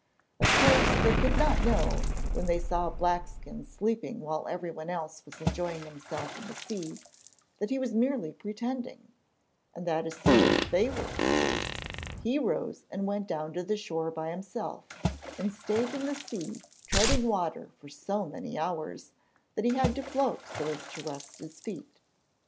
Of course, they could not know, when they saw Blackskin sleeping while everyone else was enjoying himself in the sea, that he was merely pretending, and that as soon as they were asleep, he rose and went down to the shore by himself and stayed in the sea treading water for so many hours, that he had to float so as to rest his feet.